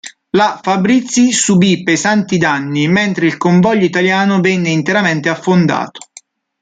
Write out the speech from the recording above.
La Fabrizi subì pesanti danni, mentre il convoglio italiano venne interamente affondato.